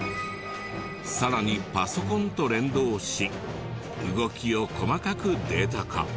さらにパソコンと連動し動きを細かくデータ化。